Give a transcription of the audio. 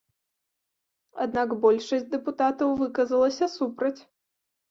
Аднак большасць дэпутатаў выказалася супраць.